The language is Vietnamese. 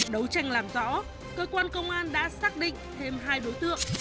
đấu tranh làm rõ cơ quan công an đã xác định thêm hai đối tượng